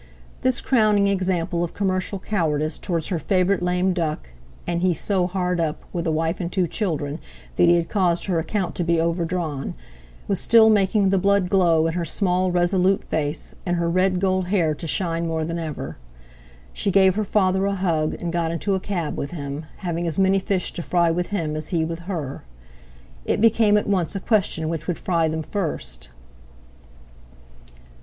This crowning example of commercial cowardice towards her favourite lame duck—and he so hard up, with a wife and two children, that he had caused her account to be overdrawn—was still making the blood glow in her small, resolute face, and her red gold hair to shine more than ever. She gave her father a hug, and got into a cab with him, having as many fish to fry with him as he with her. It became at once a question which would fry them first.